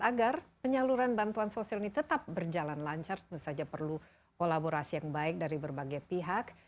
agar penyaluran bantuan sosial ini tetap berjalan lancar tentu saja perlu kolaborasi yang baik dari berbagai pihak